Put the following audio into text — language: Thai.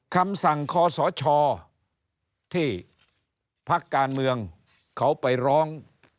คำสั่งคอสชที่พักการเมืองเขาไปร้อง